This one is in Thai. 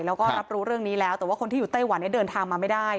แล้วก็รับรู้เรื่องนี้แล้วแต่ว่าคนที่อยู่ไต้หวันเนี่ยเดินทางมาไม่ได้